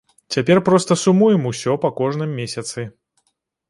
Цяпер проста сумуем усё па кожным месяцы.